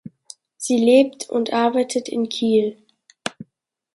Sie lebt und arbeitet in Kiel.